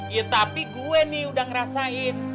ya tapi gue nih udah ngerasain